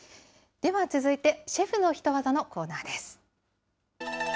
では続いて、シェフのヒトワザのコーナーです。